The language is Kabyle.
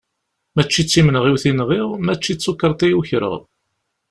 Mačči d timenɣiwt i nɣiɣ, mačči d tukarḍa i ukreɣ.